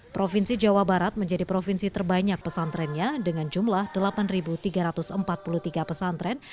provinsi jawa barat menjadi provinsi terbanyak pesantrennya dengan jumlah delapan tiga ratus empat puluh tiga pesantren